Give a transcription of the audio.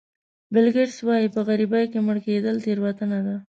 بیل ګېټس وایي په غریبۍ کې مړ کېدل تېروتنه ده.